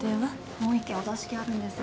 もう一件お座敷あるんですよ。